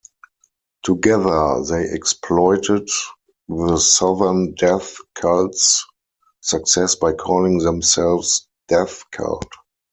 Together, they exploited the Southern Death Cult's success by calling themselves Death Cult.